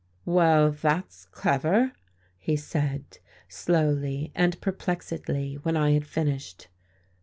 "Well, that's clever," he said, slowly and perplexedly, when I had finished.